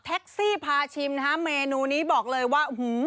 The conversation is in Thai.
ซี่พาชิมนะฮะเมนูนี้บอกเลยว่า